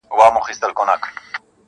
لمر هم کمزوری ښکاري دلته تل,